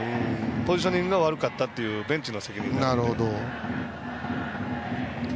ポジショニングが悪かったというベンチの責任ですね。